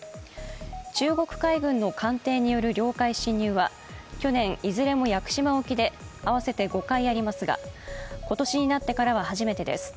中国海軍の艦艇による領海侵入は去年、いずれも屋久島沖で合わせて５回ありますが今年になってからは初めてです。